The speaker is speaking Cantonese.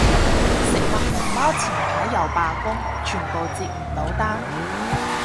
食物熊貓前排又罷工，全部接唔到單